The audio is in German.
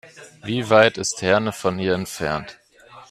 Wie weit ist Herne von hier entfernt?